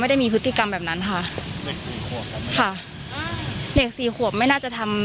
ไม่ได้มีพฤติกรรมแบบนั้นค่ะค่ะเน็กสี่ขวบไม่น่าจะทำ